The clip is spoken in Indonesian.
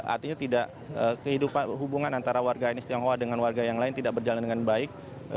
artinya tidak kehidupan hubungan antara warga etnis tionghoa dengan warga yang lain tidak berjalan dengan baik